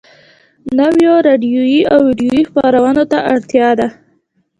نويو راډيويي او ويډيويي خپرونو ته اړتيا ده.